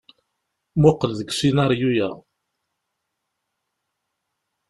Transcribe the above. Muqel deg usinaryu-ya.